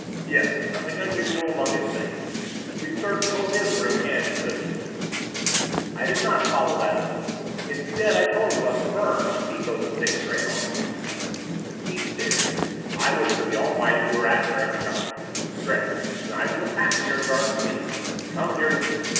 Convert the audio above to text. "Yes. Nothing unusual among his things. We searched both his room and his sister's." I did not follow that up. Instead I told him about the burn on Miko's thick gray arm. He stared. "I wish to the Almighty we were at Ferrok Shahn. Gregg, to night when the passengers are asleep, come here to me.